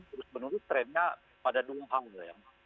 terus menerus trennya pada dua hal ya